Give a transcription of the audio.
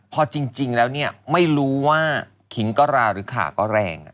พอจริงแล้วเนี่ยไม่รู้ว่าขิงก็ราหรือขาก็แรง